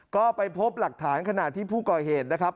ก็ไปพบหลักฐานขณะที่ผู้ก่อเหตุนะครับ